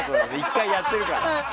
１回やってるから。